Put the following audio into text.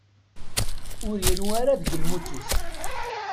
Ur iru ara deg lmut-is.